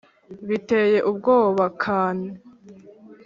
biteye ubwoba cane!